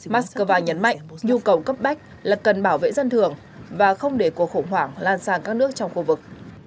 moscow nhấn mạnh nhu cầu cấp bách là cần bảo vệ dân thường và không để cuộc khủng hoảng lan sang các nước trong khu vực